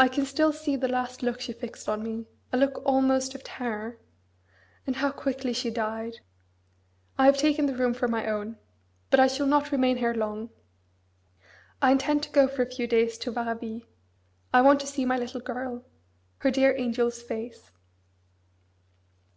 I can still see the last look she fixed on me, a look almost of terror! and how quickly she died! I have taken the room for my own. But I shall not remain here long. I intend to go for a few days to Varaville. I want to see my little girl: her dear angel's face.